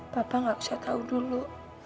bapak tidak usah tahu dulu